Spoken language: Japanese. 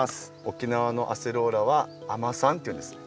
沖縄のアセロラは「あまさん」っていうんですね。